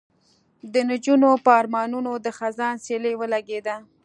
د نجونو په ارمانونو د خزان سیلۍ ولګېده